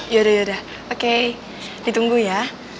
yaudah oke ditunggu ya